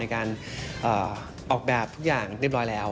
ในการเอ่อภาพออกแบบผู้อยากเรียบร้อยแล้ว